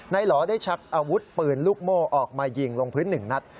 หล่อได้ชักอาวุธปืนลูกโม่ออกมายิงลงพื้นหนึ่งนัด